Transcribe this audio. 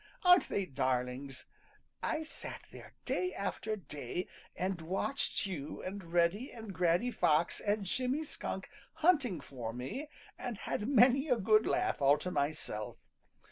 Aren't they darlings? I sat there day after day and watched you and Reddy and Granny Fox and Jimmy Skunk hunting for me and had many a good laugh all to myself.